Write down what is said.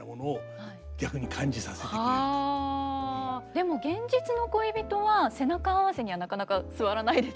でも現実の恋人は背中合わせにはなかなか座らないですよね。